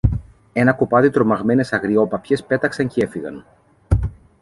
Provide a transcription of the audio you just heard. Ένα κοπάδι τρομαγμένες αγριόπαπιες πέταξαν κι έφυγαν